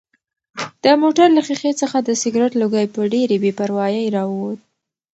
د موټر له ښیښې څخه د سګرټ لوګی په ډېرې بې پروایۍ راووت.